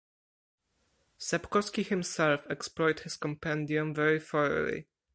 Sepkoski himself explored his compendium very thoroughly.